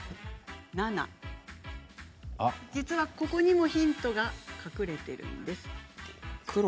実は、ここにもヒントが隠れているんです。